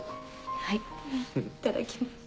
はいいただきます。